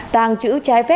tàng chữ trái phép